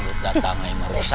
nah ini datang memang rosak